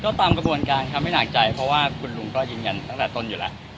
ก็ตามกระบวนการครับไม่หนักใจเพราะว่าคุณลุงก็ยืนยันตั้งแต่ต้นอยู่แล้ว